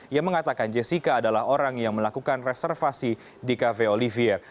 yang mengatakan jessica adalah orang yang melakukan reservasi di cafe olivier